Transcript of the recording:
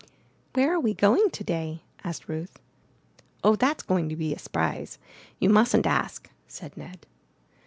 ''Where are we going today?'* asked Ruth. ''Oh, that's going to be a s'prise. You mustn't ask," said Ned.